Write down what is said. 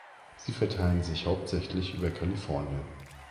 Sie verteilen sich hauptsächlich über Kalifornien.